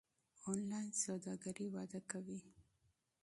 انلاین سوداګري وده کوي.